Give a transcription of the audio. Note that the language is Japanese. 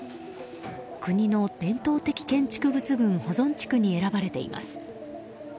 国の伝統的建築物群保存地区に選ばれています。